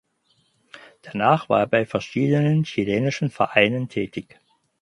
Danach war er bei verschiedenen chilenischen Vereinen tätig.